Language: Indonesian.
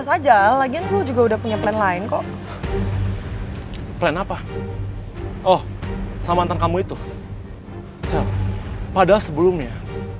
sel padahal sebelumnya